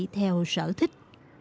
theo sở thích